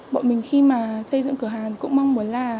bọn mình khi mà xây dựng cửa hàng cũng mong muốn là